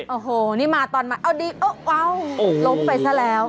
โอ้โหนี่มาตอนมาเอาดีเอ้าล้มไปซะแล้ว